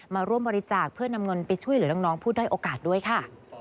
มาร่วมบริจาคเพื่อนำเงินไปช่วยเหลือน้องผู้ด้อยโอกาสด้วยค่ะ